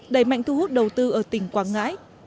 đẩy mạnh thu hút đầu tư ở tỉnh quảng ngãi